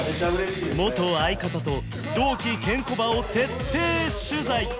元相方と同期・ケンコバを徹底取材